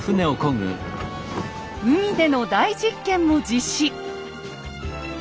海での大実験も実施！